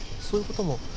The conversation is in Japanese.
そういうことも。